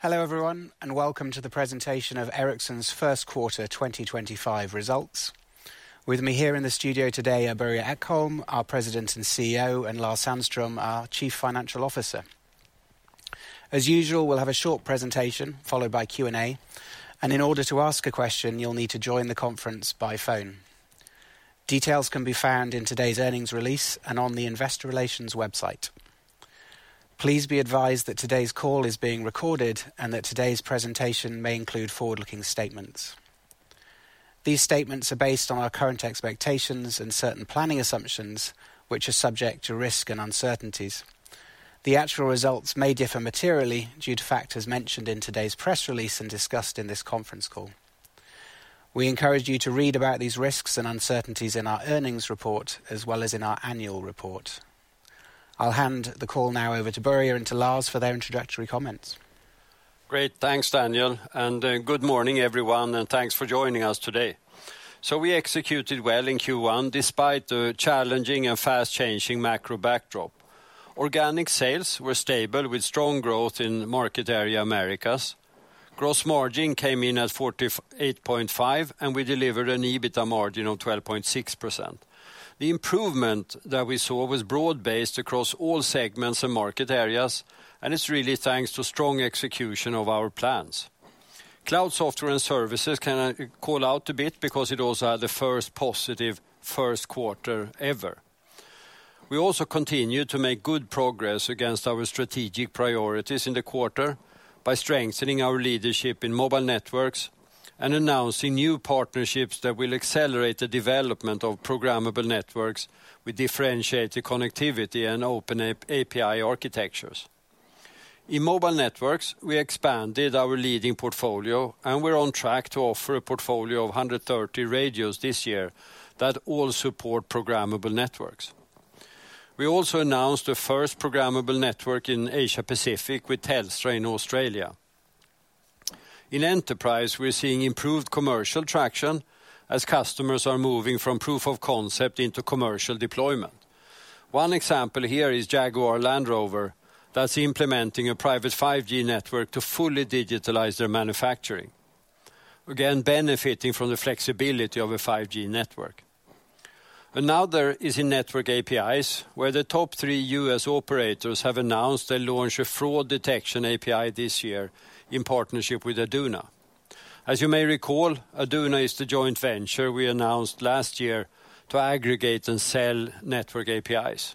Hello everyone, and welcome to the presentation of Ericsson's first quarter 2025 results. With me here in the studio today are Börje Ekholm, our President and CEO, and Lars Sandström, our Chief Financial Officer. As usual, we'll have a short presentation followed by Q&A, and in order to ask a question, you'll need to join the conference by phone. Details can be found in today's earnings release and on the Investor Relations website. Please be advised that today's call is being recorded and that today's presentation may include forward-looking statements. These statements are based on our current expectations and certain planning assumptions, which are subject to risk and uncertainties. The actual results may differ materially due to factors mentioned in today's press release and discussed in this conference call. We encourage you to read about these risks and uncertainties in our earnings report as well as in our annual report. I'll hand the call now over to Börje and to Lars for their introductory comments. Great, thanks Daniel, and good morning everyone, and thanks for joining us today. We executed well in Q1 despite the challenging and fast-changing macro backdrop. Organic sales were stable with strong growth in market area Americas. Gross margin came in at 48.5%, and we delivered an EBITA margin of 12.6%. The improvement that we saw was broad-based across all segments and market areas, and it's really thanks to strong execution of our plans. Cloud Software and Services can call out a bit because it also had the first positive first quarter ever. We also continue to make good progress against our strategic priorities in the quarter by strengthening our leadership in mobile networks and announcing new partnerships that will accelerate the development of programmable networks with differentiated connectivity and open API architectures. In mobile networks, we expanded our leading portfolio, and we're on track to offer a portfolio of 130 radios this year that all support programmable networks. We also announced the first programmable network in Asia Pacific with Telstra in Australia. In enterprise, we're seeing improved commercial traction as customers are moving from proof of concept into commercial deployment. One example here is Jaguar Land Rover that's implementing a private 5G network to fully digitalize their manufacturing, again benefiting from the flexibility of a 5G network. Another is in network APIs, where the top three U.S. operators have announced they'll launch a fraud detection API this year in partnership with Aduna. As you may recall, Aduna is the joint venture we announced last year to aggregate and sell network APIs.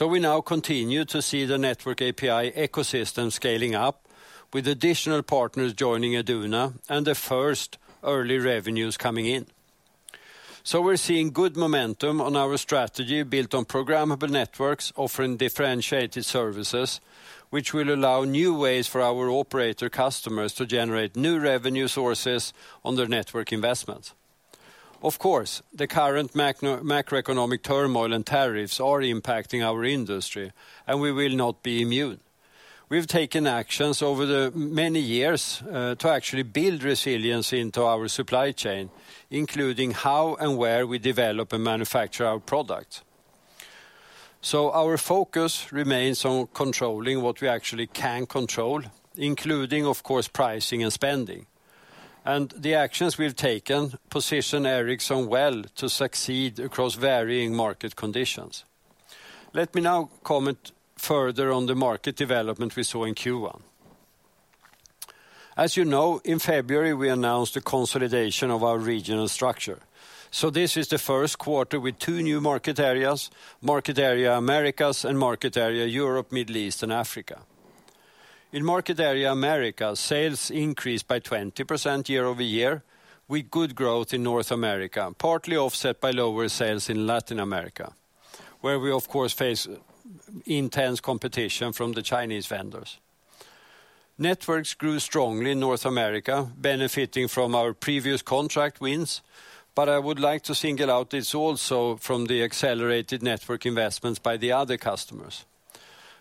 We now continue to see the network API ecosystem scaling up with additional partners joining Aduna and the first early revenues coming in. We are seeing good momentum on our strategy built on programmable networks offering differentiated services, which will allow new ways for our operator customers to generate new revenue sources on their network investments. Of course, the current macroeconomic turmoil and tariffs are impacting our industry, and we will not be immune. We have taken actions over the many years to actually build resilience into our supply chain, including how and where we develop and manufacture our products. Our focus remains on controlling what we actually can control, including, of course, pricing and spending. The actions we have taken position Ericsson well to succeed across varying market conditions. Let me now comment further on the market development we saw in Q1. As you know, in February we announced the consolidation of our regional structure. This is the first quarter with two new market areas: Market Area Americas and Market Area Europe, Middle East, and Africa. In Market Area Americas, sales increased by 20% year-over-year, with good growth in North America, partly offset by lower sales in Latin America, where we, of course, face intense competition from the Chinese vendors. Networks grew strongly in North America, benefiting from our previous contract wins. I would like to single out the results from the accelerated network investments by the other customers.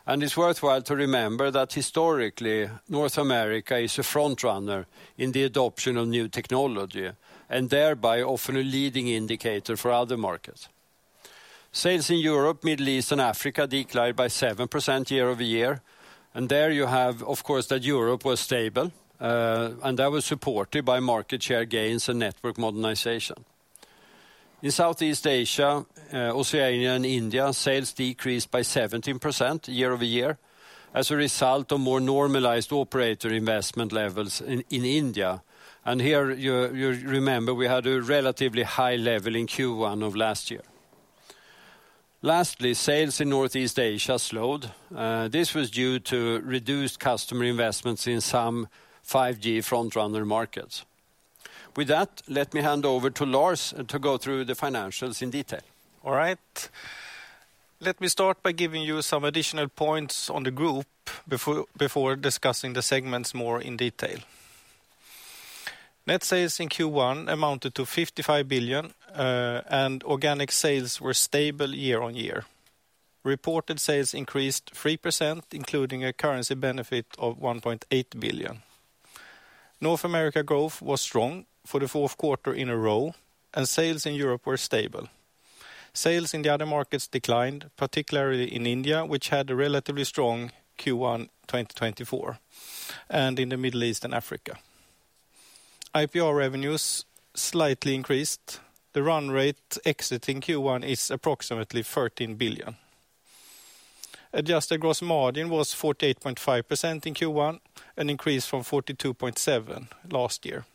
It is worthwhile to remember that historically, North America is a frontrunner in the adoption of new technology and thereby often a leading indicator for other markets. Sales in Europe, Middle East, and Africa declined by 7% year-over-year, and there you have, of course, that Europe was stable, and that was supported by market share gains and network modernization. In Southeast Asia, Australia, and India, sales decreased by 17% year-over-year as a result of more normalized operator investment levels in India. Here, you remember, we had a relatively high level in Q1 of last year. Lastly, sales in Northeast Asia slowed. This was due to reduced customer investments in some 5G frontrunner markets. With that, let me hand over to Lars to go through the financials in detail. All right. Let me start by giving you some additional points on the group before discussing the segments more in detail. Net sales in Q1 amounted to 55 billion, and organic sales were stable year on year. Reported sales increased 3%, including a currency benefit of 1.8 billion. North America growth was strong for the fourth quarter in a row, and sales in Europe were stable. Sales in the other markets declined, particularly in India, which had a relatively strong Q1 2024, and in the Middle East and Africa. IPR revenues slightly increased. The run rate exiting Q1 is approximately 13 billion. Adjusted gross margin was 48.5% in Q1, an increase from 42.7% last year.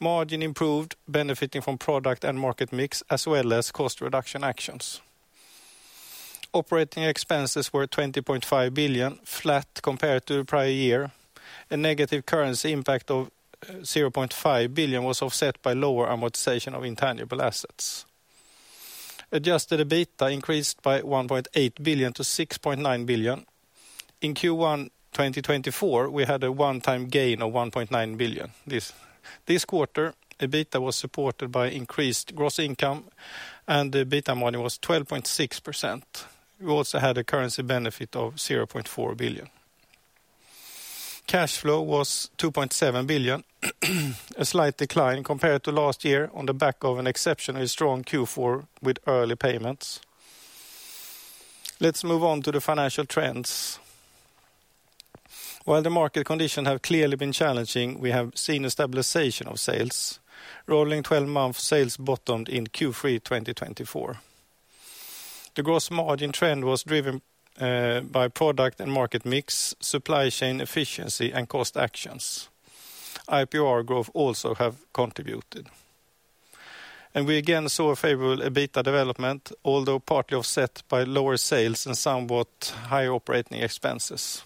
Margin improved, benefiting from product and market mix as well as cost reduction actions. Operating expenses were 20.5 billion, flat compared to the prior year. A negative currency impact of 0.5 billion was offset by lower amortization of intangible assets. Adjusted EBITDA increased by 1.8 billion to 6.9 billion. In Q1 2024, we had a one-time gain of 1.9 billion. This quarter, EBITDA was supported by increased gross income, and the EBITDA margin was 12.6%. We also had a currency benefit of SEK 0.4 billion. Cash flow was 2.7 billion, a slight decline compared to last year on the back of an exceptionally strong Q4 with early payments. Let's move on to the financial trends. While the market conditions have clearly been challenging, we have seen a stabilization of sales. Rolling 12-month sales bottomed in Q3 2024. The gross margin trend was driven by product and market mix, supply chain efficiency, and cost actions. IPR growth also has contributed. We again saw a favorable EBITDA development, although partly offset by lower sales and somewhat higher operating expenses.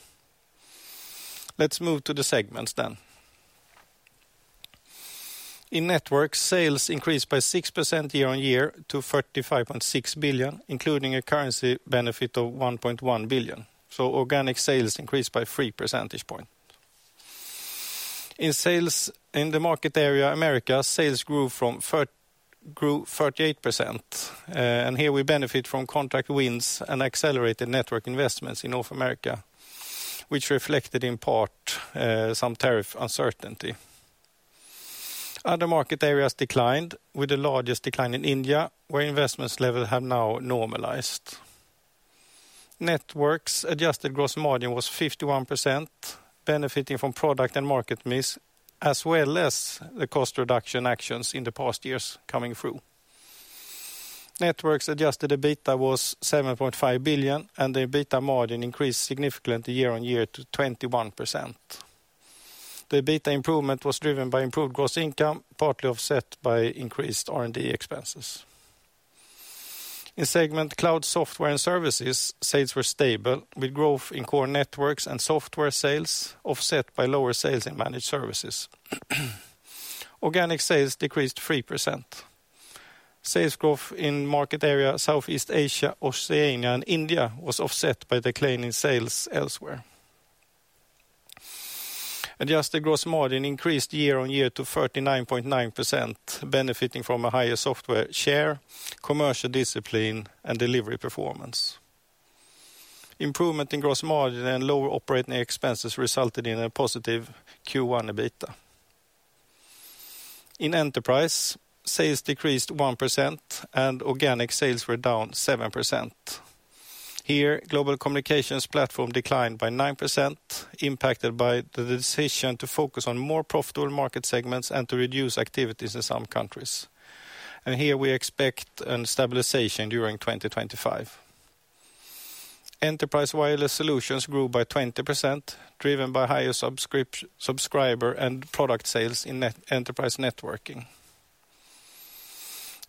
Let's move to the segments then. In Networks, sales increased by 6% year on year to 35.6 billion, including a currency benefit of 1.1 billion. Organic sales increased by 3 percentage points. In the market area Americas, sales grew 38%, and here we benefited from contract wins and accelerated network investments in North America, which reflected in part some tariff uncertainty. Other market areas declined, with the largest decline in India, where investment levels have now normalized. Networks' adjusted gross margin was 51%, benefiting from product and market mix, as well as the cost reduction actions in the past years coming through. Networks' adjusted EBITDA was 7.5 billion, and the EBITDA margin increased significantly year on year to 21%. The EBITDA improvement was driven by improved gross income, partly offset by increased R&D expenses. In segment Cloud Software and Services, sales were stable, with growth in core networks and software sales offset by lower sales in managed services. Organic sales decreased 3%. Sales growth in Market Area Southeast Asia, Australia, and India was offset by declining sales elsewhere. Adjusted gross margin increased year on year to 39.9%, benefiting from a higher software share, commercial discipline, and delivery performance. Improvement in gross margin and lower operating expenses resulted in a positive Q1 EBITDA. In Enterprise, sales decreased 1%, and organic sales were down 7%. Here, Global Communications Platform declined by 9%, impacted by the decision to focus on more profitable market segments and to reduce activities in some countries. We expect a stabilization during 2025. Enterprise Wireless Solutions grew by 20%, driven by higher subscriber and product sales in enterprise networking.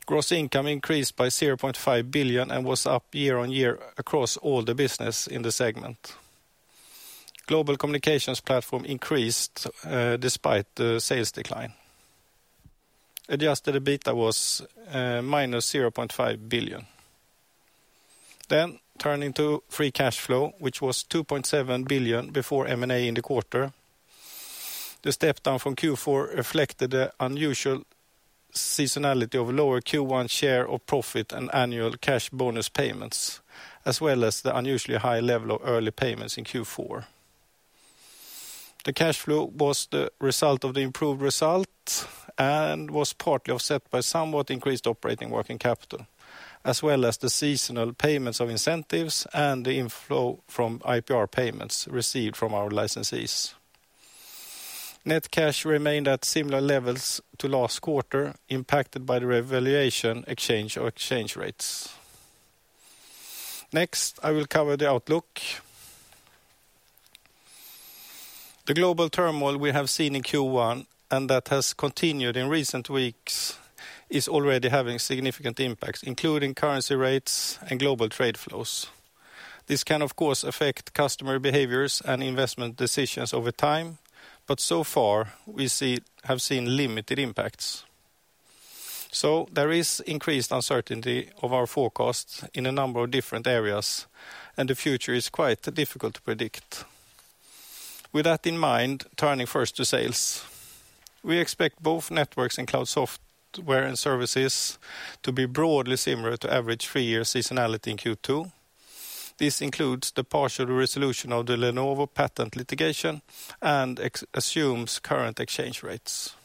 Gross income increased by 0.5 billion and was up year on year across all the business in the segment. Global Communications Platform increased despite the sales decline. Adjusted EBITDA was minus 0.5 billion. Turning to free cash flow, which was 2.7 billion before M&A in the quarter. The step down from Q4 reflected the unusual seasonality of lower Q1 share of profit and annual cash bonus payments, as well as the unusually high level of early payments in Q4. The cash flow was the result of the improved result and was partly offset by somewhat increased operating working capital, as well as the seasonal payments of incentives and the inflow from IPR payments received from our licensees. Net cash remained at similar levels to last quarter, impacted by the revaluation exchange or exchange rates. Next, I will cover the outlook. The global turmoil we have seen in Q1 and that has continued in recent weeks is already having significant impacts, including currency rates and global trade flows. This can, of course, affect customer behaviors and investment decisions over time, but so far we have seen limited impacts. There is increased uncertainty of our forecasts in a number of different areas, and the future is quite difficult to predict. With that in mind, turning first to sales, we expect both Networks and Cloud Software and Services to be broadly similar to average three-year seasonality in Q2. This includes the partial resolution of the Lenovo patent litigation and assumes current exchange rates.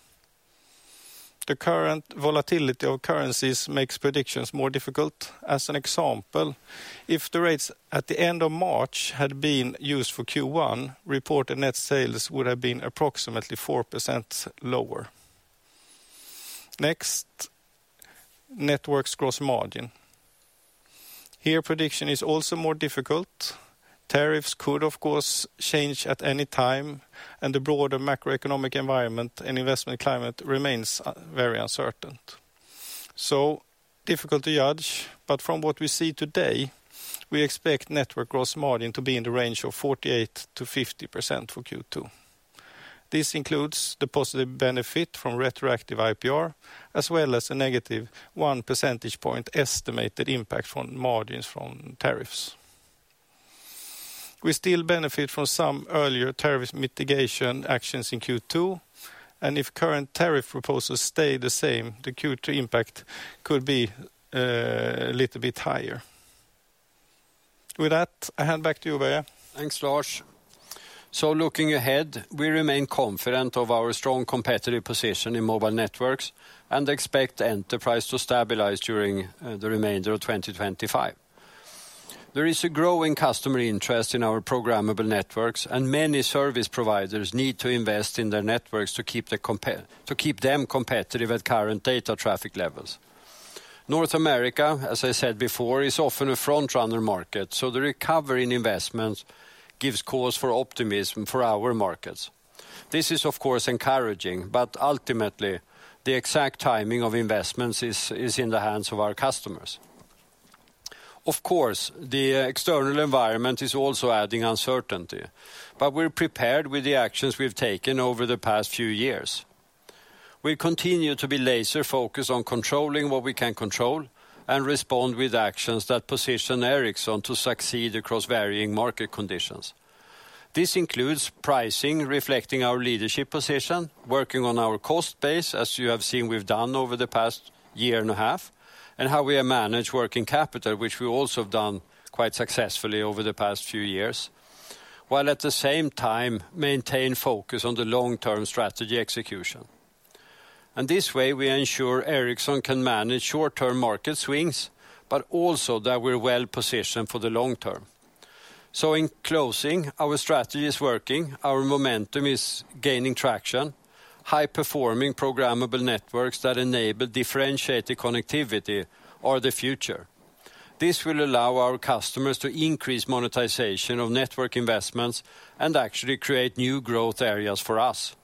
The current volatility of currencies makes predictions more difficult. As an example, if the rates at the end of March had been used for Q1, reported net sales would have been approximately 4% lower. Next, Networks' gross margin. Here, prediction is also more difficult. Tariffs could, of course, change at any time, and the broader macroeconomic environment and investment climate remains very uncertain. Difficult to judge, but from what we see today, we expect Networks' gross margin to be in the range of 48%-50% for Q2. This includes the positive benefit from retroactive IPR, as well as a -1 percentage point estimated impact from margins from tariffs. We still benefit from some earlier tariff mitigation actions in Q2, and if current tariff proposals stay the same, the Q2 impact could be a little bit higher. With that, I hand back to you, Börje. Thanks, Lars. Looking ahead, we remain confident of our strong competitive position in mobile networks and expect enterprise to stabilize during the remainder of 2025. There is a growing customer interest in our programmable networks, and many service providers need to invest in their networks to keep them competitive at current data traffic levels. North America, as I said before, is often a frontrunner market, so the recovery in investments gives cause for optimism for our markets. This is, of course, encouraging, but ultimately, the exact timing of investments is in the hands of our customers. The external environment is also adding uncertainty, but we're prepared with the actions we've taken over the past few years. We continue to be laser-focused on controlling what we can control and respond with actions that position Ericsson to succeed across varying market conditions. This includes pricing, reflecting our leadership position, working on our cost base, as you have seen we've done over the past year and a half, and how we have managed working capital, which we also have done quite successfully over the past few years, while at the same time maintaining focus on the long-term strategy execution. In this way, we ensure Ericsson can manage short-term market swings, but also that we're well positioned for the long term. In closing, our strategy is working, our momentum is gaining traction, high-performing programmable networks that enable differentiated connectivity are the future. This will allow our customers to increase monetization of network investments and actually create new growth areas for us.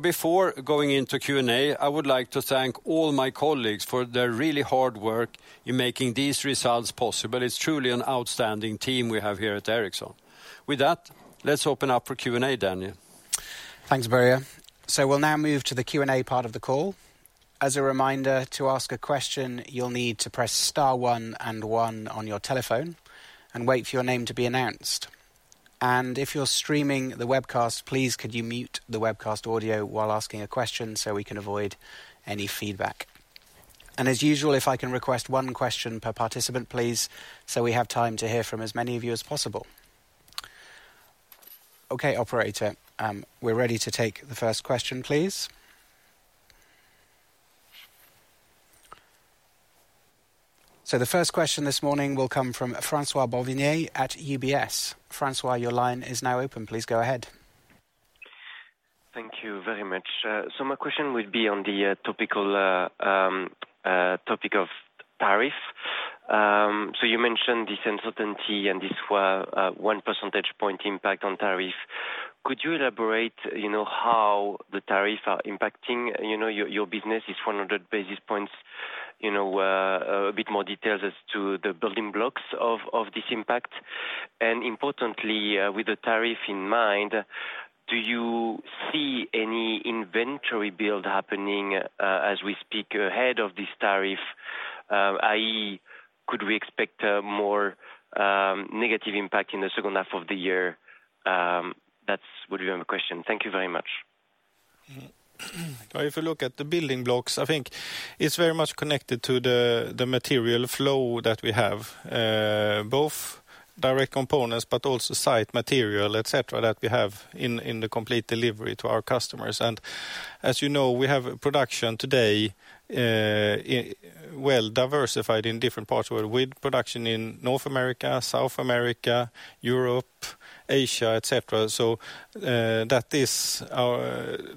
Before going into Q&A, I would like to thank all my colleagues for their really hard work in making these results possible. It's truly an outstanding team we have here at Ericsson. With that, let's open up for Q&A, Daniel. Thanks, Börje. We will now move to the Q&A part of the call. As a reminder, to ask a question, you'll need to press star one and one on your telephone and wait for your name to be announced. If you're streaming the webcast, please could you mute the webcast audio while asking a question so we can avoid any feedback. As usual, if I can request one question per participant, please, so we have time to hear from as many of you as possible. Operator, we're ready to take the first question, please. The first question this morning will come from François Bouvignies at UBS. François, your line is now open. Please go ahead. Thank you very much. My question would be on the topical topic of tariff. You mentioned this uncertainty and this one percentage point impact on tariff. Could you elaborate how the tariffs are impacting your business? Is 100 basis points a bit more detailed as to the building blocks of this impact? Importantly, with the tariff in mind, do you see any inventory build happening as we speak ahead of this tariff? I.e., could we expect more negative impact in the second half of the year? That is what we have a question. Thank you very much. If you look at the building blocks, I think it's very much connected to the material flow that we have, both direct components, but also site material, etc., that we have in the complete delivery to our customers. As you know, we have production today well diversified in different parts of the world with production in North America, South America, Europe, Asia, etc. That is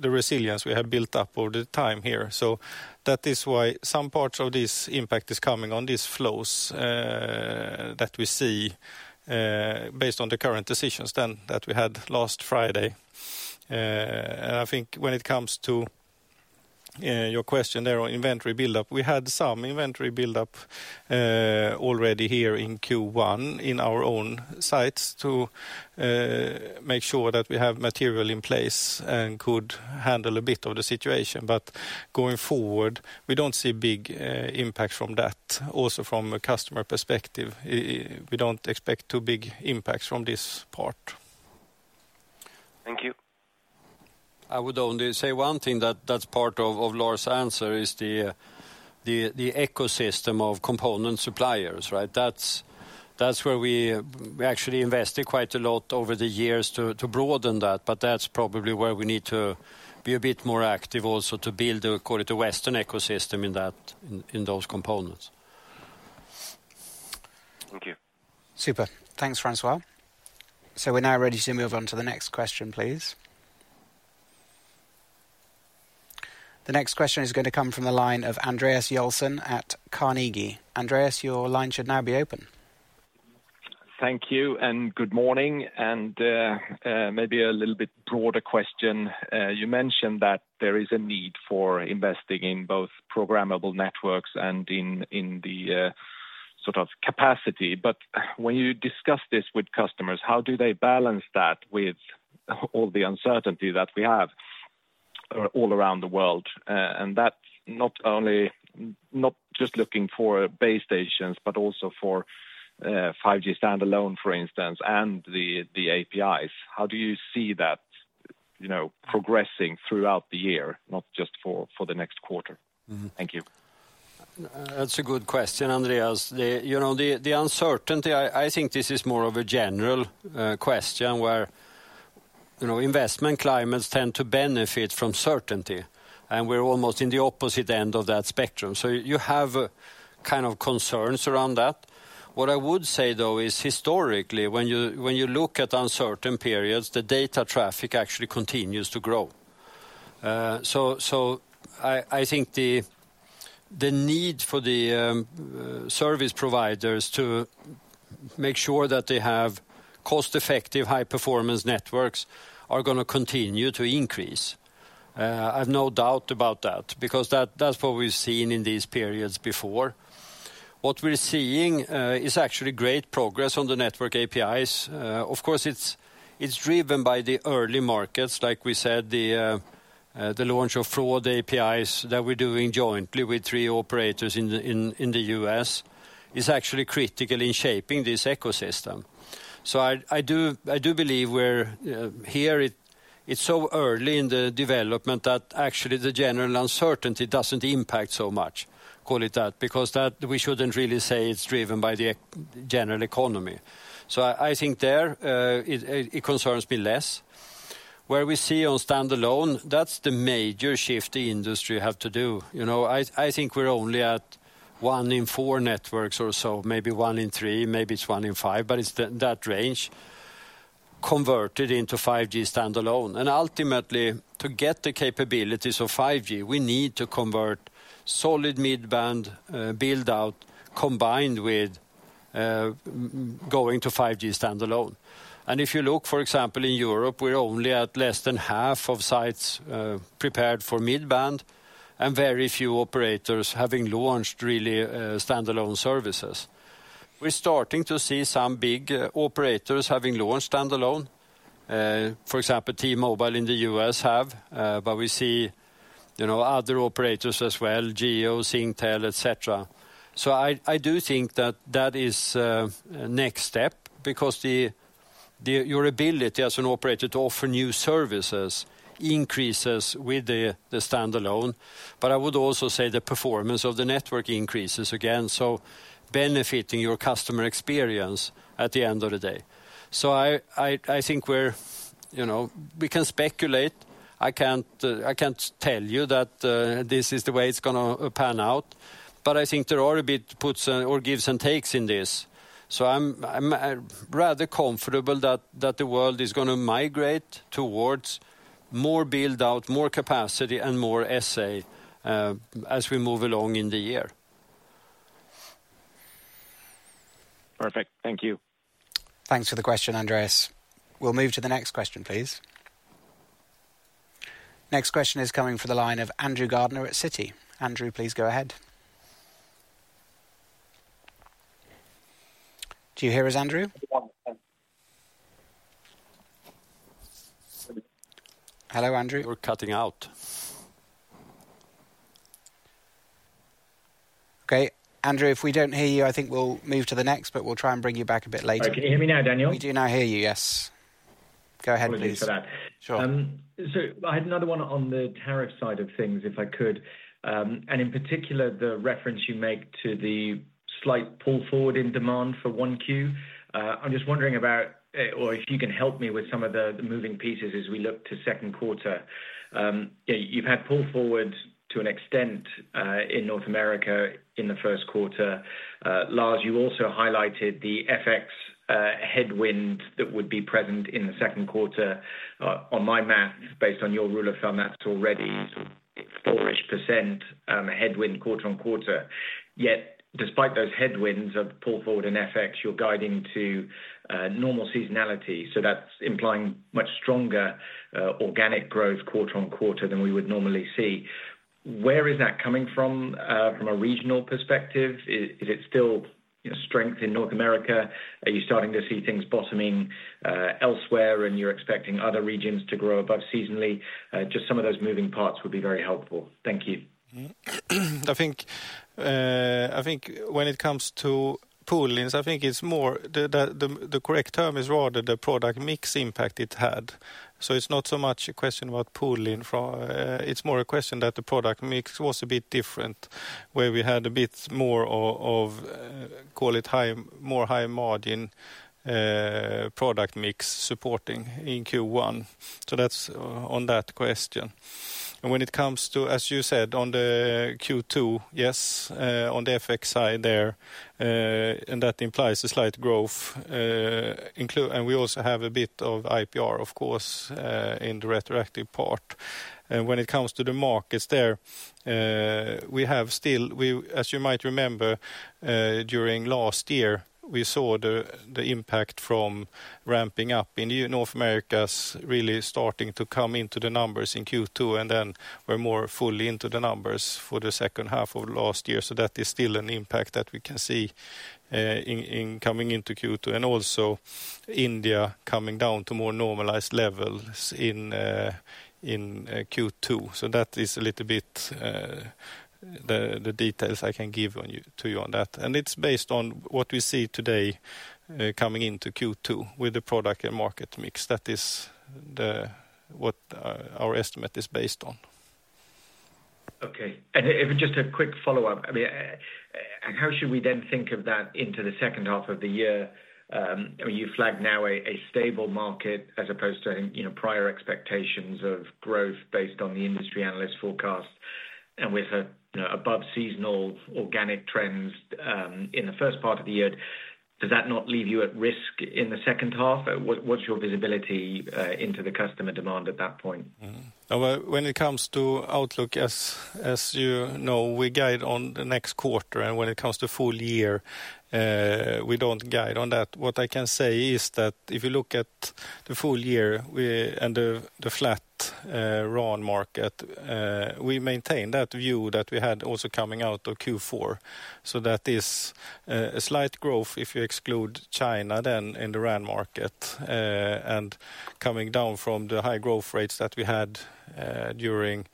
the resilience we have built up over the time here. That is why some parts of this impact are coming on these flows that we see based on the current decisions then that we had last Friday. I think when it comes to your question there on inventory buildup, we had some inventory buildup already here in Q1 in our own sites to make sure that we have material in place and could handle a bit of the situation. Going forward, we don't see big impacts from that. Also from a customer perspective, we don't expect too big impacts from this part. Thank you. I would only say one thing that's part of Lars' answer is the ecosystem of component suppliers. That's where we actually invested quite a lot over the years to broaden that, but that's probably where we need to be a bit more active also to build a Western ecosystem in those components. Thank you. Super. Thanks, François. We are now ready to move on to the next question, please. The next question is going to come from the line of Andreas Joelsson at Carnegie. Andreas, your line should now be open. Thank you and good morning. Maybe a little bit broader question. You mentioned that there is a need for investing in both programmable networks and in the sort of capacity. When you discuss this with customers, how do they balance that with all the uncertainty that we have all around the world? That is not only not just looking for base stations, but also for 5G standalone, for instance, and the APIs. How do you see that progressing throughout the year, not just for the next quarter? Thank you. That's a good question, Andreas. The uncertainty, I think this is more of a general question where investment climates tend to benefit from certainty. We're almost in the opposite end of that spectrum. You have kind of concerns around that. What I would say, though, is historically, when you look at uncertain periods, the data traffic actually continues to grow. I think the need for the service providers to make sure that they have cost-effective, high-performance networks are going to continue to increase. I have no doubt about that because that's what we've seen in these periods before. What we're seeing is actually great progress on the network APIs. Of course, it's driven by the early markets, like we said, the launch of fraud APIs that we're doing jointly with three operators in the U.S. is actually critical in shaping this ecosystem. I do believe we're here, it's so early in the development that actually the general uncertainty doesn't impact so much, call it that, because we shouldn't really say it's driven by the general economy. I think there it concerns me less. Where we see on standalone, that's the major shift the industry has to do. I think we're only at one in four networks or so, maybe one in three, maybe it's one in five, but it's that range converted into 5G standalone. Ultimately, to get the capabilities of 5G, we need to convert solid mid-band buildout combined with going to 5G standalone. If you look, for example, in Europe, we're only at less than half of sites prepared for mid-band and very few operators having launched really standalone services. We're starting to see some big operators having launched standalone. For example, T-Mobile in the U.S. have, but we see other operators as well, Jio, Singtel, etc. I do think that that is a next step because your ability as an operator to offer new services increases with the standalone. I would also say the performance of the network increases again, benefiting your customer experience at the end of the day. I think we can speculate. I can't tell you that this is the way it's going to pan out, but I think there are a bit puts or gives and takes in this. I'm rather comfortable that the world is going to migrate towards more buildout, more capacity, and more SA as we move along in the year. Perfect. Thank you. Thanks for the question, Andreas. We'll move to the next question, please. Next question is coming for the line of Andrew Gardiner at Citi. Andrew, please go ahead. Do you hear us, Andrew? Hello, Andrew? You're cutting out. Okay. Andrew, if we do not hear you, I think we will move to the next, but we will try and bring you back a bit later. Can you hear me now, Daniel? We do now hear you, yes. Go ahead, please. Thank you for that. I had another one on the tariff side of things, if I could. In particular, the reference you make to the slight pull forward in demand for Q1. I'm just wondering about, or if you can help me with some of the moving pieces as we look to second quarter. You've had pull forward to an extent in North America in the first quarter. Lars, you also highlighted the FX headwind that would be present in the second quarter. On my math, based on your rule of thumb, that's already 4% headwind quarter on quarter. Yet, despite those headwinds of pull forward and FX, you're guiding to normal seasonality. That's implying much stronger organic growth quarter on quarter than we would normally see. Where is that coming from? From a regional perspective, is it still strength in North America? Are you starting to see things bottoming elsewhere and you're expecting other regions to grow above seasonally? Just some of those moving parts would be very helpful. Thank you. I think when it comes to poolings, I think it's more the correct term is rather the product mix impact it had. It's not so much a question about pooling. It's more a question that the product mix was a bit different where we had a bit more of, call it high, more high margin product mix supporting in Q1. That's on that question. When it comes to, as you said, on the Q2, yes, on the FX side there, and that implies a slight growth. We also have a bit of IPR, of course, in the retroactive part. When it comes to the markets there, we have still, as you might remember, during last year, we saw the impact from ramping up in North America really starting to come into the numbers in Q2 and then were more fully into the numbers for the second half of last year. That is still an impact that we can see coming into Q2 and also India coming down to more normalized levels in Q2. That is a little bit the details I can give to you on that. It is based on what we see today coming into Q2 with the product and market mix. That is what our estimate is based on. Okay. Just a quick follow-up. How should we then think of that into the second half of the year? You flagged now a stable market as opposed to prior expectations of growth based on the industry analyst forecast. We've had above seasonal organic trends in the first part of the year. Does that not leave you at risk in the second half? What's your visibility into the customer demand at that point? When it comes to outlook, as you know, we guide on the next quarter. When it comes to full year, we do not guide on that. What I can say is that if you look at the full year and the flat RAN market, we maintain that view that we had also coming out of Q4. That is a slight growth if you exclude China in the RAN market and coming down from the high growth rates that we had during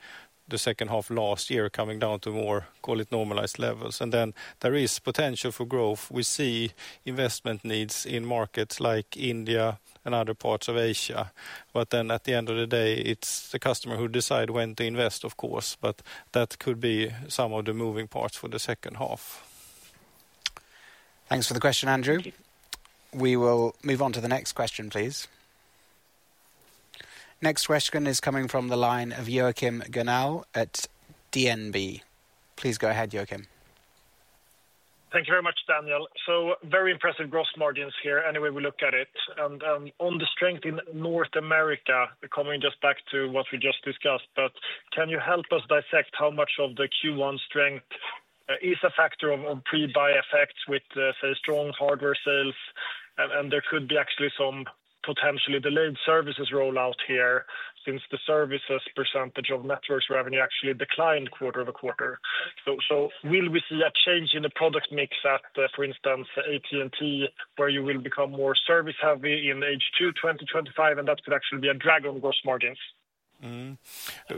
the second half last year, coming down to more, call it normalized levels. There is potential for growth. We see investment needs in markets like India and other parts of Asia. At the end of the day, it is the customer who decides when to invest, of course. That could be some of the moving parts for the second half. Thanks for the question, Andrew. We will move on to the next question, please. Next question is coming from the line of Joachim Gunell at DNB. Please go ahead, Joachim. Thank you very much, Daniel. Very impressive gross margins here anyway we look at it. On the strength in North America, coming just back to what we just discussed, can you help us dissect how much of the Q1 strength is a factor of pre-buy effects with, say, strong hardware sales? There could be actually some potentially delayed services rollout here since the services percentage of Networks revenue actually declined quarter over quarter. Will we see a change in the product mix at, for instance, AT&T, where you will become more service-heavy in H2 2025? That could actually be a drag on gross margins.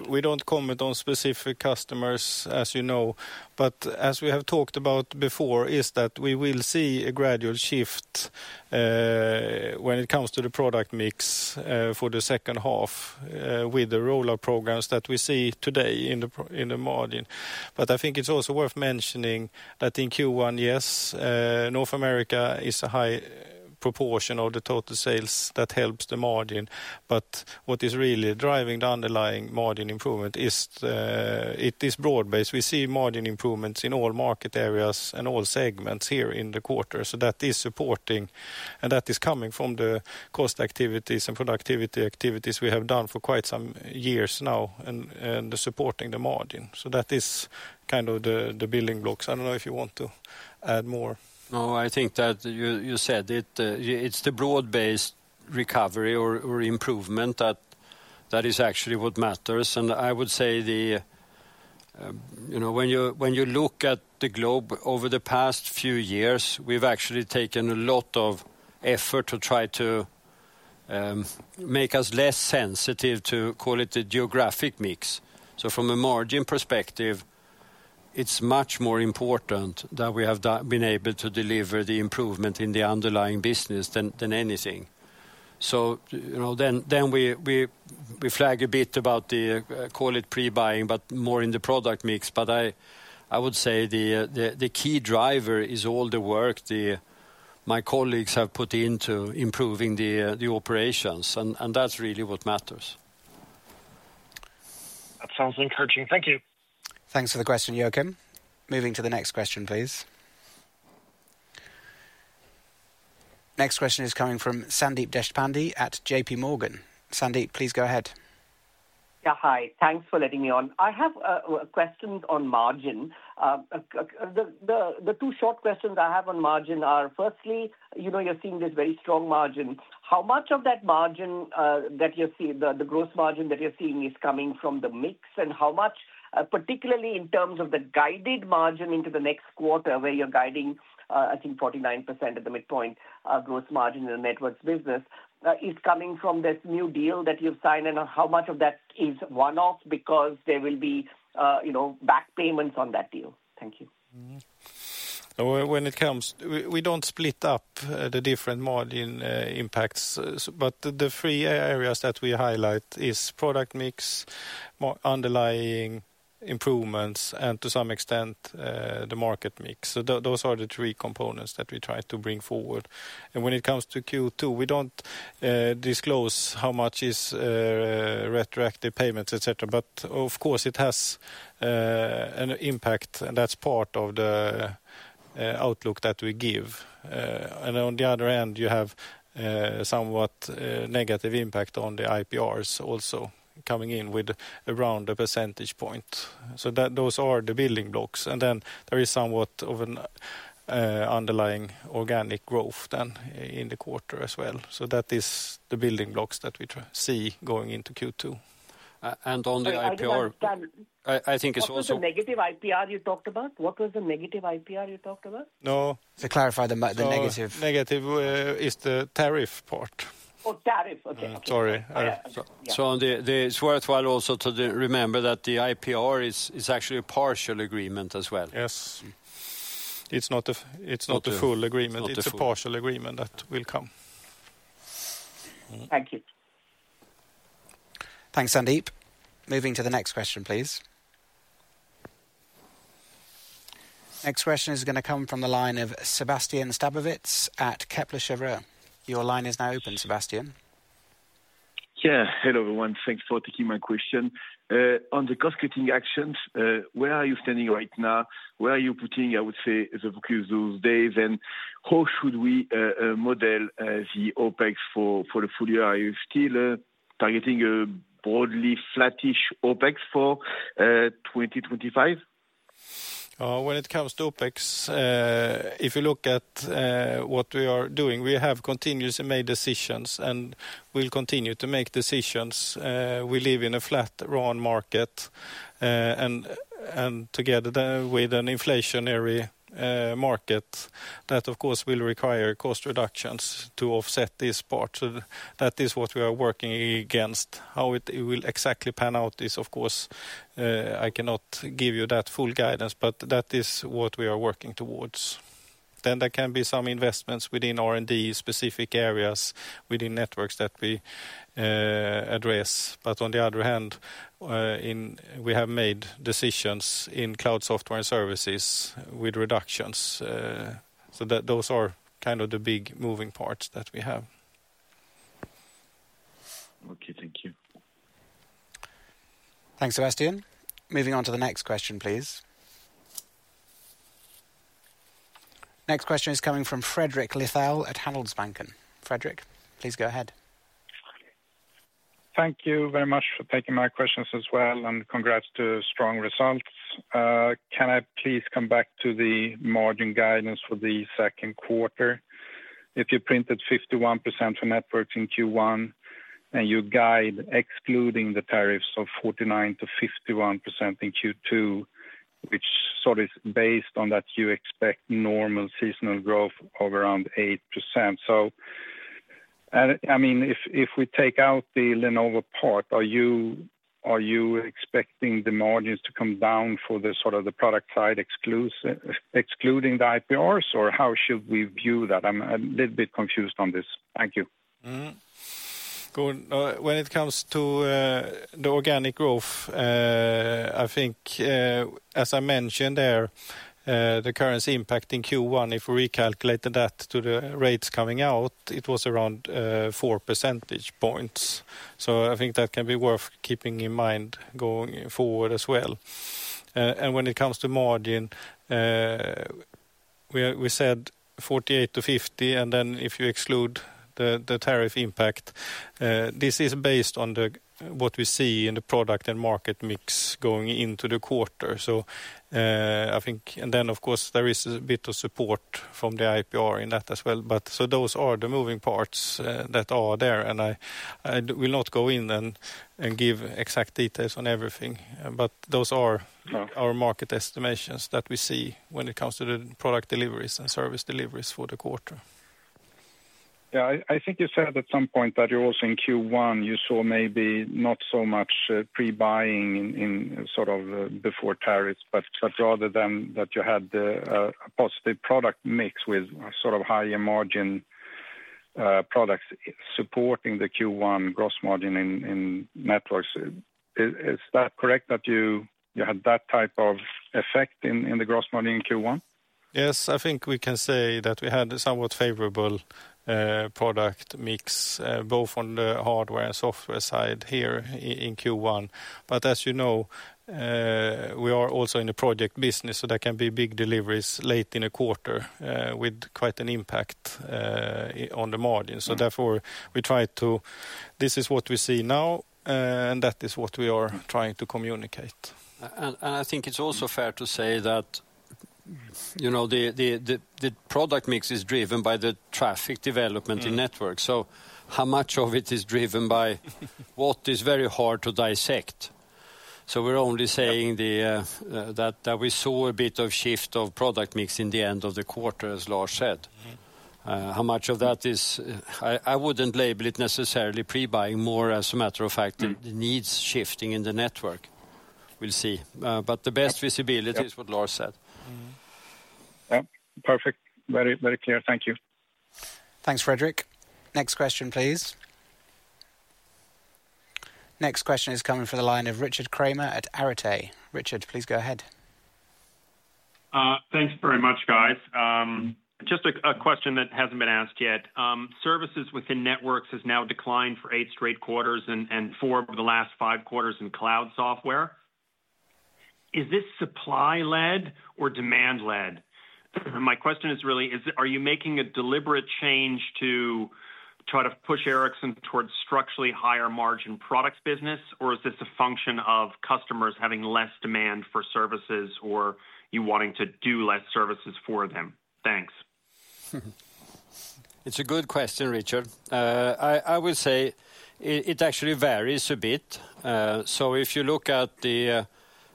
We don't come with those specific customers, as you know. As we have talked about before, we will see a gradual shift when it comes to the product mix for the second half with the rollout programs that we see today in the margin. I think it's also worth mentioning that in Q1, yes, North America is a high proportion of the total sales that helps the margin. What is really driving the underlying margin improvement is this broad base. We see margin improvements in all market areas and all segments here in the quarter. That is supporting, and that is coming from the cost activities and productivity activities we have done for quite some years now and supporting the margin. That is kind of the building blocks. I don't know if you want to add more. No, I think that you said it. It's the broad-based recovery or improvement that is actually what matters. I would say when you look at the globe over the past few years, we've actually taken a lot of effort to try to make us less sensitive to, call it the geographic mix. From a margin perspective, it's much more important that we have been able to deliver the improvement in the underlying business than anything. We flag a bit about the, call it pre-buying, but more in the product mix. I would say the key driver is all the work my colleagues have put into improving the operations. That's really what matters. That sounds encouraging. Thank you. Thanks for the question, Joachim. Moving to the next question, please. Next question is coming from Sandeep Deshpande at JPMorgan. Sandeep, please go ahead. Yeah, hi. Thanks for letting me on. I have questions on margin. The two short questions I have on margin are, firstly, you know you're seeing this very strong margin. How much of that margin that you're seeing, the gross margin that you're seeing, is coming from the mix? How much, particularly in terms of the guided margin into the next quarter, where you're guiding, I think 49% at the midpoint gross margin in the Networks business, is coming from this new deal that you've signed? How much of that is one-off because there will be back payments on that deal? Thank you. When it comes, we don't split up the different margin impacts. The three areas that we highlight are product mix, underlying improvements, and to some extent, the market mix. Those are the three components that we try to bring forward. When it comes to Q2, we don't disclose how much is retroactive payments, etc. Of course, it has an impact, and that's part of the outlook that we give. On the other hand, you have somewhat negative impact on the IPRs also coming in with around a percentage point. Those are the building blocks. There is somewhat of an underlying organic growth then in the quarter as well. That is the building blocks that we see going into Q2. On the IPR, I think it's also. What was the negative IPR you talked about? No. Clarify the negative. Negative is the tariff part. Oh, tariff. Okay. Sorry. It is worthwhile also to remember that the IPR is actually a partial agreement as well. Yes. It is not a full agreement. It is a partial agreement that will come. Thank you. Thanks, Sandeep. Moving to the next question, please. Next question is going to come from the line of Sébastien Sztabowicz at Kepler Cheuvreux. Your line is now open, Sébastien. Yeah, hello everyone. Thanks for taking my question. On the cost-cutting actions, where are you standing right now? Where are you putting, I would say, the focus those days? How should we model the OpEx for the full year? Are you still targeting a broadly flattish OpEx for 2025? When it comes to OpEx, if you look at what we are doing, we have continuously made decisions and will continue to make decisions. We live in a flat RAN market and together with an inflationary market that, of course, will require cost reductions to offset this part. That is what we are working against. How it will exactly pan out is, of course, I cannot give you that full guidance, but that is what we are working towards. There can be some investments within R&D specific areas within Networks that we address. On the other hand, we have made decisions in Cloud Software and Services with reductions. Those are kind of the big moving parts that we have. Okay, thank you. Thanks, Sébastien. Moving on to the next question, please. Next question is coming from Fredrik Lithell at Handelsbanken. Frederick, please go ahead. Thank you very much for taking my questions as well. Congrats to strong results. Can I please come back to the margin guidance for the second quarter? If you printed 51% for Networks in Q1 and you guide excluding the tariffs of 49%-51% in Q2, which sort of is based on that you expect normal seasonal growth of around 8%. I mean, if we take out the Lenovo part, are you expecting the margins to come down for the sort of the product side excluding the IPRs? Or how should we view that? I'm a little bit confused on this. Thank you. When it comes to the organic growth, I think, as I mentioned there, the currency impact in Q1, if we recalculated that to the rates coming out, it was around 4 percentage points. I think that can be worth keeping in mind going forward as well. When it comes to margin, we said 48%-50%. If you exclude the tariff impact, this is based on what we see in the product and market mix going into the quarter. I think, of course, there is a bit of support from the IPR in that as well. Those are the moving parts that are there. I will not go in and give exact details on everything. Those are our market estimations that we see when it comes to the product deliveries and service deliveries for the quarter. Yeah, I think you said at some point that you also in Q1, you saw maybe not so much pre-buying in sort of before tariffs, but rather than that you had a positive product mix with sort of higher margin products supporting the Q1 gross margin in Networks. Is that correct that you had that type of effect in the gross margin in Q1? Yes, I think we can say that we had somewhat favorable product mix both on the hardware and software side here in Q1. As you know, we are also in the project business, so there can be big deliveries late in a quarter with quite an impact on the margin. Therefore, we try to, this is what we see now, and that is what we are trying to communicate. I think it's also fair to say that the product mix is driven by the traffic development in networks. How much of it is driven by what is very hard to dissect? We're only saying that we saw a bit of shift of product mix in the end of the quarter, as Lars said. How much of that is, I wouldn't label it necessarily pre-buying, more as a matter of fact, the needs shifting in the network. We'll see. The best visibility is what Lars said. Yeah, perfect. Very, very clear. Thank you. Thanks, Fredrik. Next question, please. Next question is coming from the line of Richard Kramer at Arete. Richard, please go ahead. Thanks very much, guys. Just a question that hasn't been asked yet. Services within Networks has now declined for eight straight quarters and four of the last five quarters in Cloud Software and Services. Is this supply-led or demand-led? My question is really, are you making a deliberate change to try to push Ericsson towards structurally higher margin products business, or is this a function of customers having less demand for services or you wanting to do less services for them? Thanks. It's a good question, Richard. I will say it actually varies a bit. If you look at the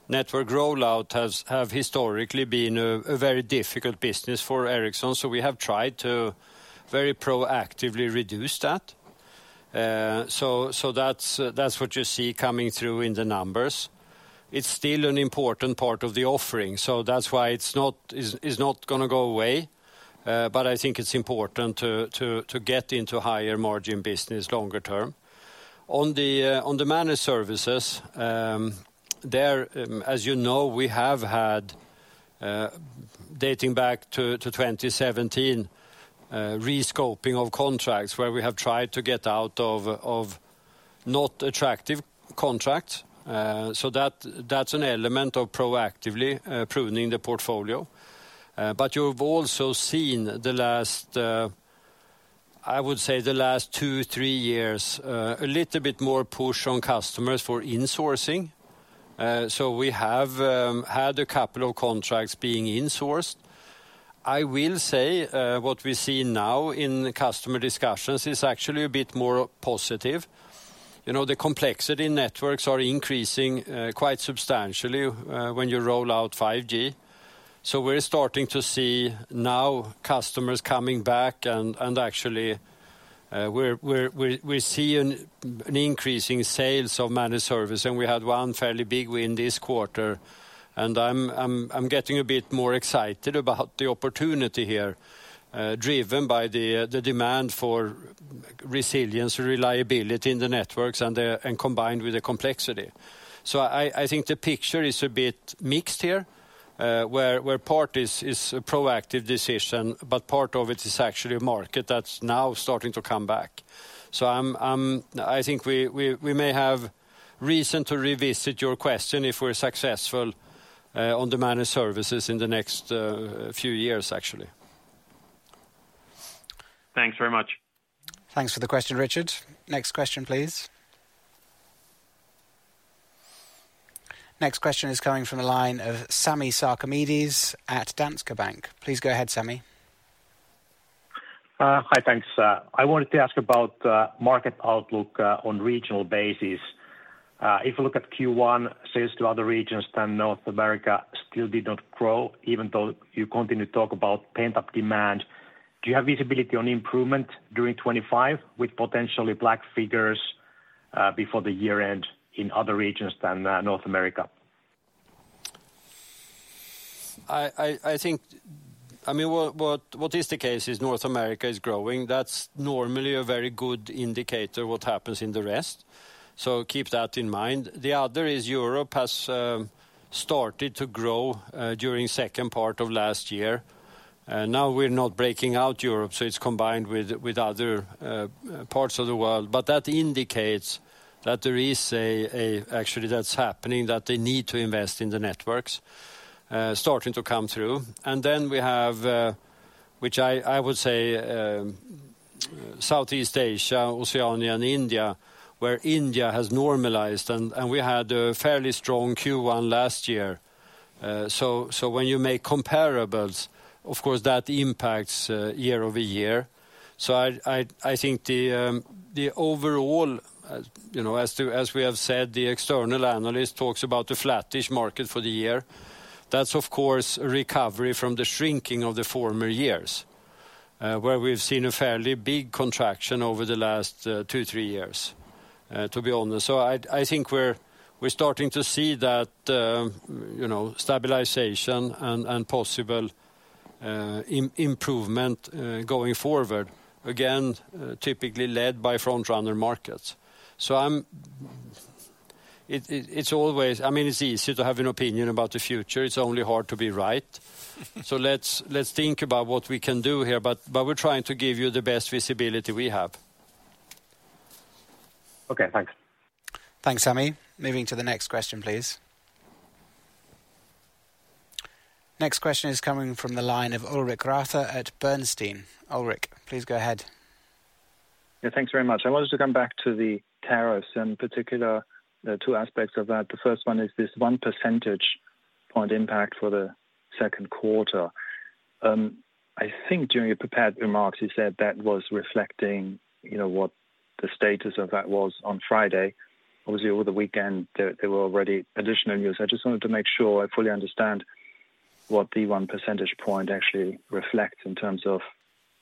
network rollout, it has historically been a very difficult business for Ericsson. We have tried to very proactively reduce that. That is what you see coming through in the numbers. It is still an important part of the offering. That is why it is not going to go away. I think it is important to get into higher margin business longer term. On the managed services, there, as you know, we have had, dating back to 2017, rescoping of contracts where we have tried to get out of not attractive contracts. That is an element of proactively pruning the portfolio. You have also seen the last, I would say the last two, three years, a little bit more push on customers for insourcing. We have had a couple of contracts being insourced. I will say what we see now in customer discussions is actually a bit more positive. The complexity in networks is increasing quite substantially when you roll out 5G. We're starting to see now customers coming back and actually we see increasing sales of managed service. We had one fairly big win this quarter. I'm getting a bit more excited about the opportunity here, driven by the demand for resilience and reliability in the networks and combined with the complexity. I think the picture is a bit mixed here, where part is a proactive decision, but part of it is actually a market that's now starting to come back. I think we may have reason to revisit your question if we're successful on the managed services in the next few years, actually. Thanks very much. Thanks for the question, Richard. Next question, please. Next question is coming from the line of Sami Sarkamies at Danske Bank. Please go ahead, Sami. Hi, thanks. I wanted to ask about market outlook on regional basis. If you look at Q1, sales to other regions than North America still did not grow, even though you continue to talk about pent-up demand. Do you have visibility on improvement during 2025 with potentially black figures before the year-end in other regions than North America? I think, I mean, what is the case is North America is growing. That's normally a very good indicator of what happens in the rest. Keep that in mind. The other is Europe has started to grow during the second part of last year. Now we're not breaking out Europe, so it's combined with other parts of the world. That indicates that there is a, actually, that's happening that they need to invest in the networks starting to come through. We have, which I would say, Southeast Asia, Oceania, and India, where India has normalized. We had a fairly strong Q1 last year. When you make comparables, of course, that impacts year over year. I think the overall, as we have said, the external analyst talks about a flattish market for the year. That's, of course, a recovery from the shrinking of the former years, where we've seen a fairly big contraction over the last two, three years, to be honest. I think we're starting to see that stabilization and possible improvement going forward, again, typically led by front-runner markets. It's always, I mean, it's easy to have an opinion about the future. It's only hard to be right. Let's think about what we can do here. We're trying to give you the best visibility we have. Okay, thanks. Thanks, Sami. Moving to the next question, please. Next question is coming from the line of Ulrich Rathe at Bernstein. Ulrich, please go ahead. Yeah, thanks very much. I wanted to come back to the tariffs and particular two aspects of that. The first one is this 1 percentage point impact for the second quarter. I think during your prepared remarks, you said that was reflecting what the status of that was on Friday. Obviously, over the weekend, there were already additional news. I just wanted to make sure I fully understand what the 1 percentage point actually reflects in terms of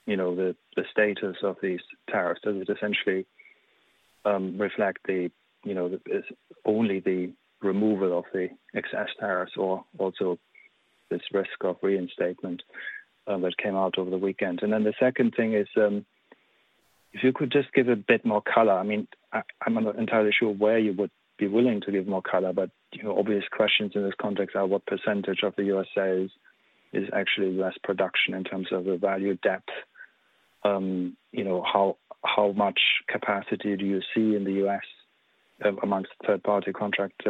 the status of these tariffs. Does it essentially reflect only the removal of the excess tariffs or also this risk of reinstatement that came out over the weekend? The second thing is, if you could just give a bit more color, I mean, I'm not entirely sure where you would be willing to give more color, but obvious questions in this context are what percentage of the U.S. sales is actually less production in terms of the value depth? How much capacity do you see in the U.S. amongst third-party contract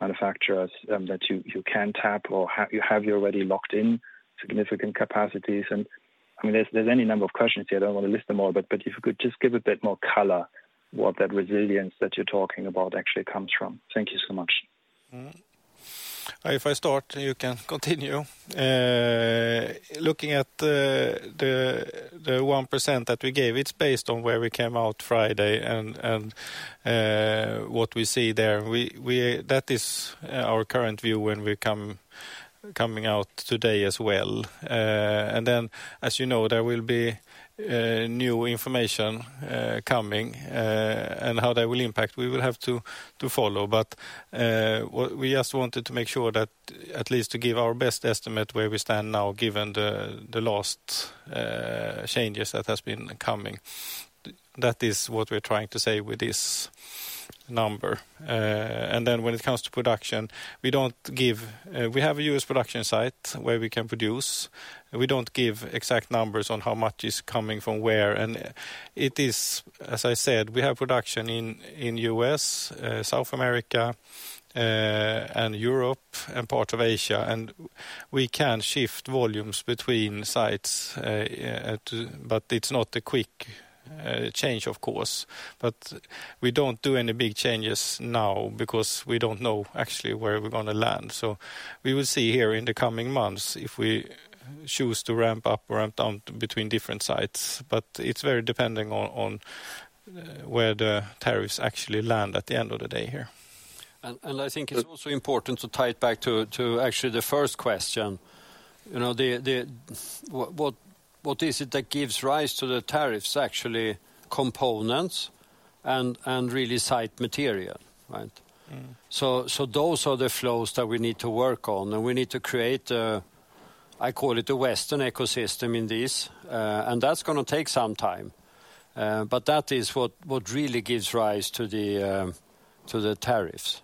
manufacturers that you can tap, or have you already locked in significant capacities? I mean, there's any number of questions here. I don't want to list them all, but if you could just give a bit more color what that resilience that you're talking about actually comes from. Thank you so much. If I start, you can continue. Looking at the 1% that we gave, it's based on where we came out Friday and what we see there. That is our current view when we're coming out today as well. As you know, there will be new information coming and how that will impact, we will have to follow. We just wanted to make sure that at least to give our best estimate where we stand now, given the last changes that have been coming. That is what we're trying to say with this number. When it comes to production, we don't give, we have a U.S. production site where we can produce. We don't give exact numbers on how much is coming from where. It is, as I said, we have production in U.S., South America, and Europe and part of Asia. We can shift volumes between sites, but it's not a quick change, of course. We don't do any big changes now because we don't know actually where we're going to land. We will see here in the coming months if we choose to ramp up or ramp down between different sites. It's very dependent on where the tariffs actually land at the end of the day here. I think it's also important to tie it back to actually the first question. What is it that gives rise to the tariffs actually? Components and really site material, right? Those are the flows that we need to work on. We need to create, I call it a Western ecosystem in this. That is going to take some time. That is what really gives rise to the tariffs.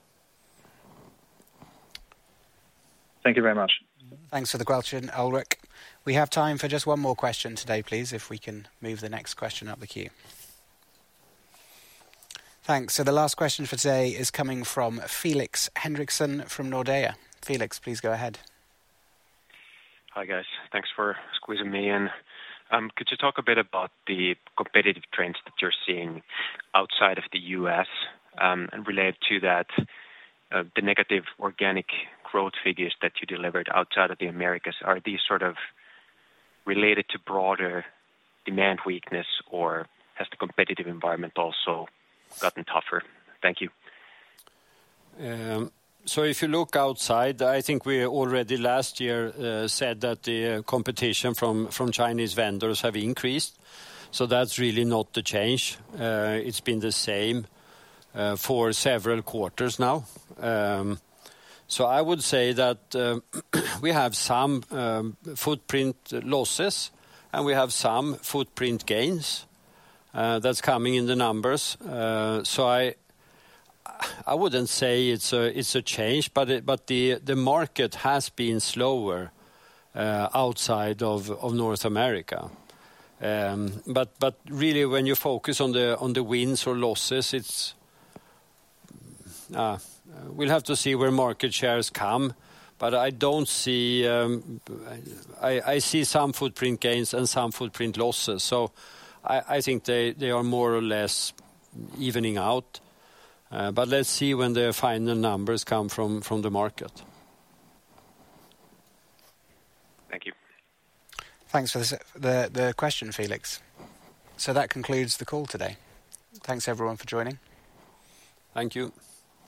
Thank you very much. Thanks for the question, Ulrich. We have time for just one more question today, please, if we can move the next question up the queue. Thanks. The last question for today is coming from Felix Henriksson from Nordea. Felix, please go ahead. Hi guys. Thanks for squeezing me in. Could you talk a bit about the competitive trends that you're seeing outside of the U.S.? Related to that, the negative organic growth figures that you delivered outside of the Americas, are these sort of related to broader demand weakness or has the competitive environment also gotten tougher? Thank you. If you look outside, I think we already last year said that the competition from Chinese vendors has increased. That's really not the change. It's been the same for several quarters now. I would say that we have some footprint losses and we have some footprint gains that's coming in the numbers. I wouldn't say it's a change, but the market has been slower outside of North America. Really, when you focus on the wins or losses, we'll have to see where market shares come. I don't see, I see some footprint gains and some footprint losses. I think they are more or less evening out. Let's see when the final numbers come from the market. Thank you. Thanks for the question, Felix. That concludes the call today. Thanks everyone for joining. Thank you.